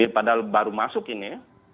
padahal baru masuk ini